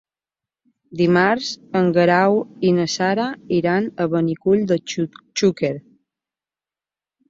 Dimarts en Guerau i na Sara iran a Benicull de Xúquer.